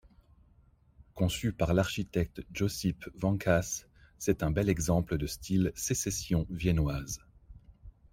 Conçu par l'architecte Josip Vancaš, c'est un bel exemple de style Sécession viennoise.